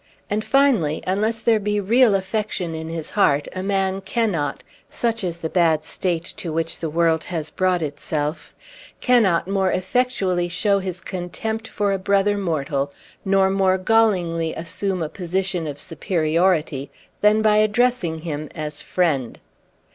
And finally, unless there be real affection in his heart, a man cannot, such is the bad state to which the world has brought itself, cannot more effectually show his contempt for a brother mortal, nor more gallingly assume a position of superiority, than by addressing him as "friend."